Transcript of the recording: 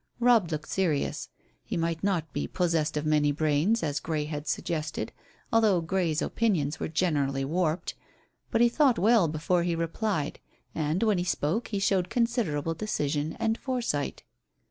Robb looked serious. He might not be possessed of many brains, as Grey had suggested although Grey's opinions were generally warped but he thought well before he replied. And when he spoke he showed considerable decision and foresight.